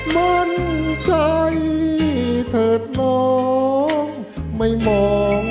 มั่นใจเถิดน้องไม่มอง